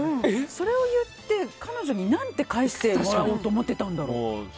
それを言って、彼女に何て返してもらおうと思ってたんだろう？